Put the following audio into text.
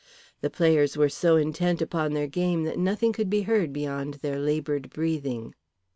The players were so intent upon their game that nothing could be heard beyond their laboured breathing.